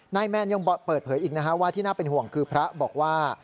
แมนยังเปิดเผยอีกว่าที่น่าเป็นห่วงคือพระบอกว่า